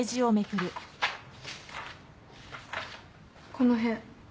この辺。